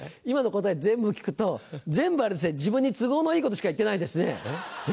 今の答え全部聞くと全部自分に都合のいいことしか言ってないですね。